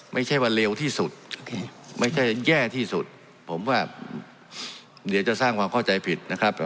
ไม่ใช่ว่าเร็วที่สุดไม่ใช่แย่ที่สุดผมว่าเดี๋ยวจะสร้างความเข้าใจผิดนะครับ